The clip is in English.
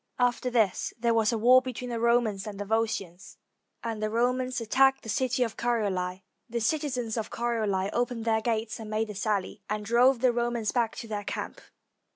After this there was a war between the Romans and the Volscians; and the Romans attacked the city of Corioli. The citizens of Corioli opened their gates and made a sally, and drove the Romans back to their camp.